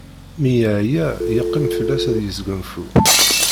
Mi yeɛya yeqqim fell-as ad yesgunfu.